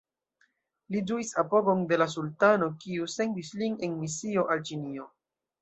Li ĝuis apogon de la sultano, kiu sendis lin en misio al Ĉinio.